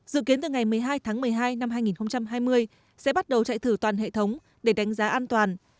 dự kiến từ ngày một mươi hai tháng một mươi hai năm hai nghìn hai mươi sẽ bắt đầu chạy thử toàn hệ thống để đánh giá an toàn